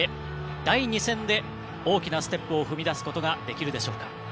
第２戦で大きなステップを踏み出すことができるでしょうか。